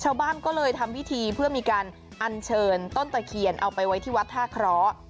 ชาวบ้านก็เลยทำพิธีเพื่อมีการอัญเชิญต้นตะเคียนเอาไปไว้ที่วัดท่าเคราะห์